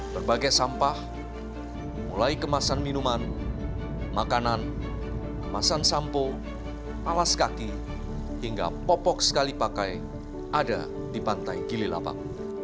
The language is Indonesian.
berbagai sampah mulai kemasan minuman makanan kemasan sampo alas kaki hingga popok sekali pakai ada di pantai gililapak